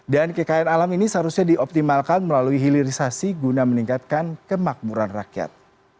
dan kekayaan alam ini seharusnya dioptimalkan melalui hilirisasi guna meningkatkan kemakmuran rakyat